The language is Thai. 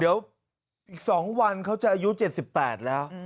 เดี๋ยวอีก๒วันเขาจะอายุ๗๘แล้ว